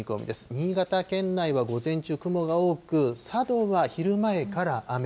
新潟県内は午前中雲が多く、佐渡は昼前から雨。